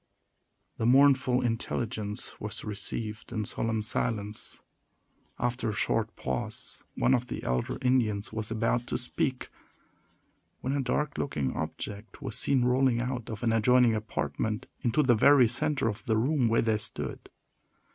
The mournful intelligence was received in solemn silence. After a short pause, one of the elder Indians was about to speak, when a dark looking object was seen rolling out of an adjoining apartment, into the very center of the room where they stood.